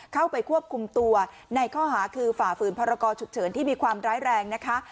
เข้าไปควบคุมตัวในข้อหาคือฝ่าฝืนพรกรฉุกเฉินที่มีความร้ายแรงนะคะ